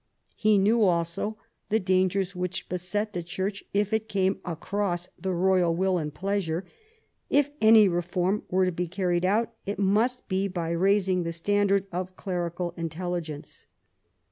He knew also the dangers which beset the Church if it came across the royal will and pleasure. If any reform were to be carried out it must be by rais ing the standard of clerical intelligence.